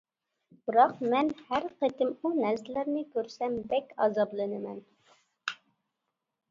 بىراق مەن ھەر قېتىم ئۇ نەرسىلەرنى كۆرسەم بەك ئازابلىنىمەن.